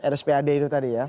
rspad itu tadi ya